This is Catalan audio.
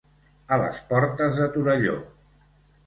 A les portes de Torelló.